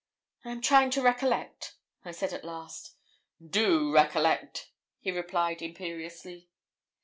'I am trying to recollect,' I said at last. 'Do recollect,' he replied imperiously.